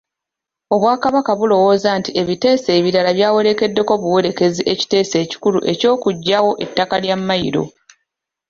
Obwakabaka bulowooza nti ebiteeso ebirala byawerekeddeko buwerekezi ekiteeso ekikulu eky'okuggyawo ettaka lya Mmayiro.